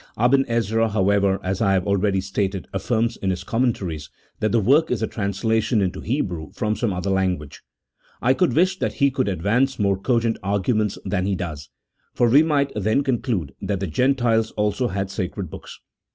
Aben Ezra, however, as I have already stated, affirms, in his commentaries, that the work is a translation into Hebrew from some other language : I could wish that he could advance more cogent arguments than he does, for we might then conclude that the Gentiles also had sacred books.